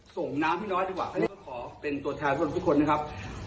ส่งน้ำพี่น้อยดีกว่าขอเป็นตัวแทนของทุกคนนะครับ